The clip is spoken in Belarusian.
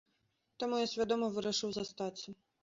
Таму я свядома вырашыў застацца.